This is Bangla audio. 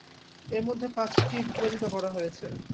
এর মধ্যে পাঁচটি ভূপাতিত করা হয়েছে।